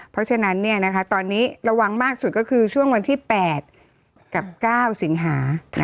เพราะฉะนั้นตอนนี้ระวังมากสุดก็คือช่วงวันที่๘กับ๙สิงหา